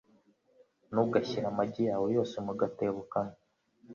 Ntugashyire amagi yawe yose mu gatebo kamwe